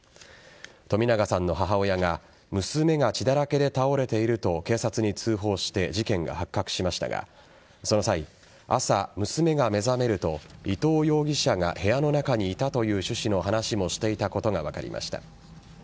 冨永さんの母親が娘が血だらけで倒れていると警察に通報して事件が発覚しましたがその際朝、娘が目覚めると伊藤容疑者が部屋の中にいたという趣旨の話もしていたことが分かりました。